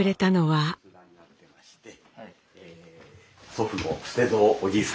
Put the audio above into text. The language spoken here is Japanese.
はい。